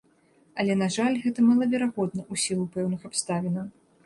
Але, на жаль, гэта малаверагодна ў сілу пэўных абставінаў.